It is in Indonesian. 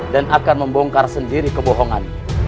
dan akan membongkar sendiri kebohongan